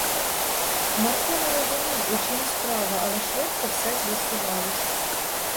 Марко не розумів, у чім справа, але швидко все з'ясувалось.